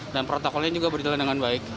dan protokolnya juga berjalan dengan baik